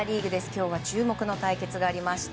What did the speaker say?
今日は注目の対決がありました。